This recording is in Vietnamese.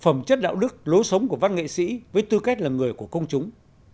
phẩm chất đạo đức lối sống của văn nghệ sĩ với tư cách là người của công chúng